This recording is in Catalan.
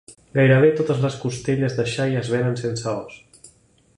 Gairebé totes les costelles de xai es venen sense os.